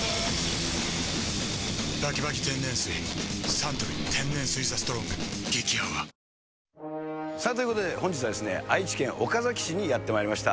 サントリー天然水「ＴＨＥＳＴＲＯＮＧ」激泡ということで本日は、愛知県岡崎市にやってまいりました。